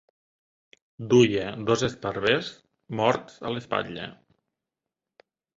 Duia dos esparvers morts a l'espatlla.